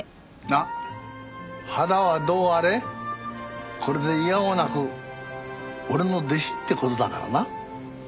まあ腹はどうあれこれで否応なく俺の弟子って事だからな。